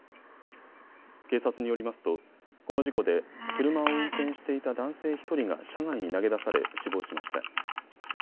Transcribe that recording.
警察によりますとこの事故で車を運転していた男性１人が車外に投げ出され死亡しました。